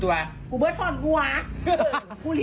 หาให้แม่ขึ้นเลย